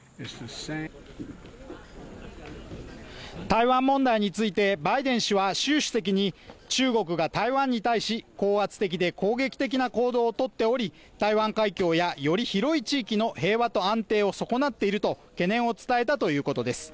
台湾問題についてバイデン氏は習主席に中国が台湾に対し、高圧的で攻撃的な行動をとっており、台湾海峡やより広い地域の平和と安定を損なっていると懸念を伝えたということです。